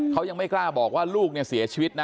เขายังไม่กล้าบอกว่าลูกเนี่ยเสียชีวิตนะ